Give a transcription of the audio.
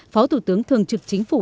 phó thủ tướng thường trực chính phủ